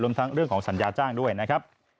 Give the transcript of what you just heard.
ทั้งเรื่องของสัญญาจ้างด้วยนะครับ